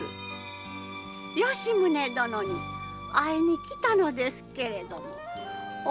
吉宗殿に会いにきたのですけれどお